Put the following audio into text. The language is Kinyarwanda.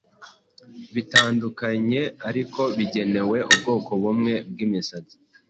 bitandukanye ariko bigenewe ubwoko bumwe bw’imisatsi